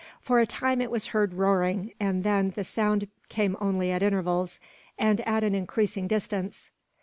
For a time it was heard roaring, and then the sound came only at intervals, and at an increasing distance.